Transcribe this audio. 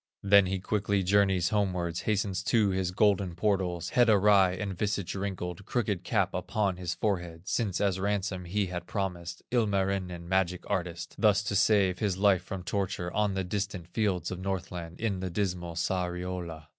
Then he quickly journeys homeward, Hastens to his golden portals, Head awry and visage wrinkled, Crooked cap upon his forehead, Since as ransom he had promised Ilmarinen, magic artist, Thus to save his life from torture On the distant fields of Northland, In the dismal Sariola.